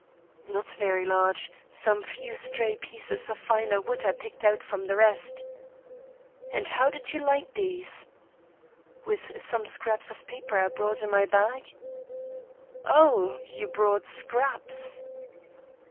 "Not very large; some few stray pieces of finer wood I picked out from she rest." "And how did you light these?" "With some scraps of paper I brought in my bag?" "Oh you brought scraps?"